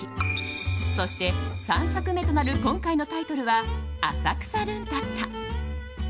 そして３作目となる今回のタイトルは「浅草ルンタッタ」。